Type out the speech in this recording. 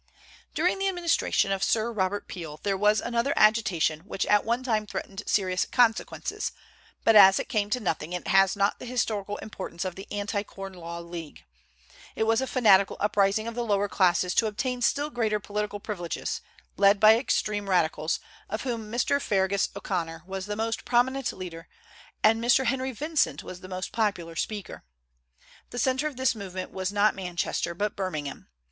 During the administration of Sir Robert Peel there was another agitation which at one time threatened serious consequences, but as it came to nothing it has not the historical importance of the Anti Corn Law League. It was a fanatical uprising of the lower classes to obtain still greater political privileges, led by extreme radicals, of whom Mr. Feargus O'Connor was the most prominent leader, and Mr. Henry Vincent was the most popular speaker. The centre of this movement was not Manchester, but Birmingham.